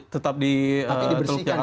tetap di teluk jakarta